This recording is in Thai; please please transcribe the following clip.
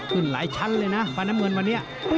ขึ้นหลายชั้นเลยนะฟันธรรมวลวันนี้